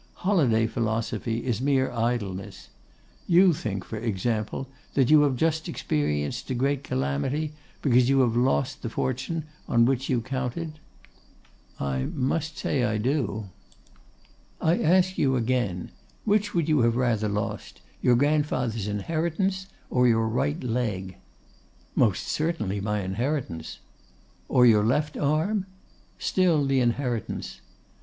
Holiday philosophy is mere idleness. You think, for example, that you have just experienced a great calamity, because you have lost the fortune on which you counted?' 'I must say I do.' 'I ask you again, which would you have rather lost, your grandfather's inheritance or your right leg?' 'Most certainly my inheritance,' 'Or your left arm?' 'Still the inheritance.